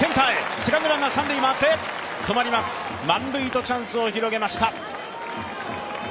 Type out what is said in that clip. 満塁とチャンスを広げました。